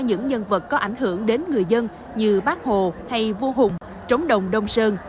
những nhân vật có ảnh hưởng đến người dân như bác hồ hay vua hùng trống đồng đông sơn